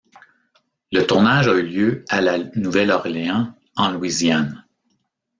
Le tournage a eu lieu à La Nouvelle-Orléans, en Louisiane.